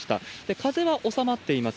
風は収まっています。